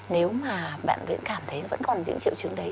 nếu mà bạn ấy cảm thấy vẫn còn những triệu chứng đấy